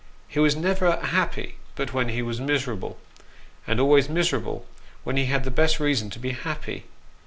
He was never happy but when he was miserable ; and always miserable when he had the best reason to be happy.